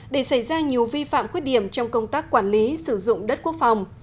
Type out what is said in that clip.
để xảy ra nhiều vi phạm khuyết điểm trong công tác quản lý sử dụng đất quốc phòng